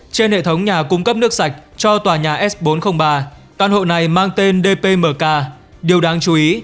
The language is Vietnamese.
trên hệ thống nhà cung cấp nước sạch cho tòa nhà s bốn trăm linh ba căn hộ này mang tên dpmk điều đáng chú ý